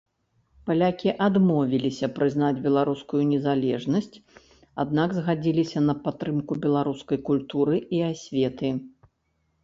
Палякі адмовіліся прызнаць беларускую незалежнасць, аднак згадзіліся на падтрымку беларускай культуры і асветы.